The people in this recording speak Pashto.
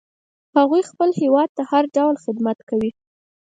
هغوی خپل هیواد ته هر ډول خدمت کوي